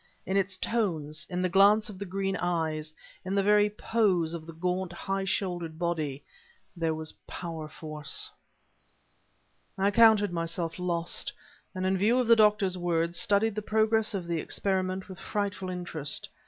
In its tones, in the glance of the green eyes, in the very pose of the gaunt, high shouldered body, there was power force. I counted myself lost, and in view of the doctor's words, studied the progress of the experiment with frightful interest.